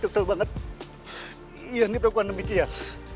gak sel banget iyan dipelukkan demikian